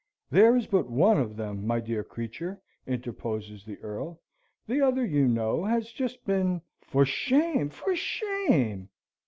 "There is but one of them, my dear creature," interposes the Earl. "The other, you know, has just been " "For shame, for shame!"